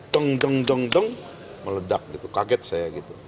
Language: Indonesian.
teng teng teng teng meledak kaget saya